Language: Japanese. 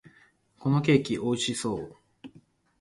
このケーキ、美味しそう！